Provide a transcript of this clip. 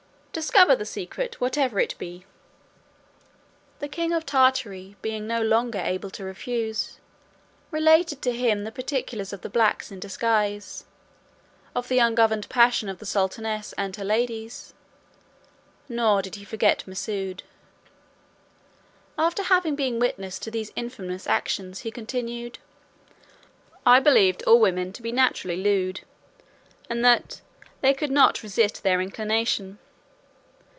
Discover the secret, whatever it be." The king of Tartary being no longer able to refuse, related to him the particulars of the blacks in disguise, of the ungoverned passion of the sultaness, and her ladies; nor did he forget Masoud. After having been witness to these infamous actions, he continued, "I believed all women to be naturally lewd; and that they could not resist their inclination.